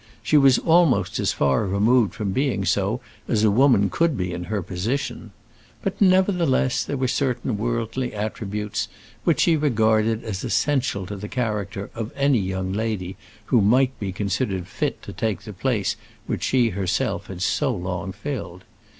She was almost as far removed from being so as a woman could be in her position. But, nevertheless, there were certain worldly attributes which she regarded as essential to the character of any young lady who might be considered fit to take the place which she herself had so long filled.